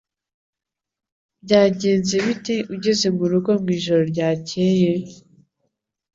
Byagenze bite ugeze murugo mwijoro ryakeye?